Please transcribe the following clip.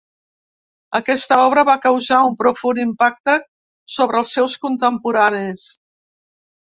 Aquesta obra va causar un profund impacte sobre els seus contemporanis.